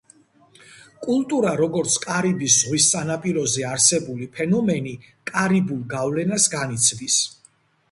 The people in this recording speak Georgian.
კულტურა, როგორც კარიბის ზღის სანაპიროზე არსებული ფენომენი, კარიბულ გავლენას განიცდის.